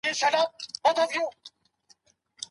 د کارګرانو لپاره به د مهارت د زده کړې مرکزونه جوړ سي.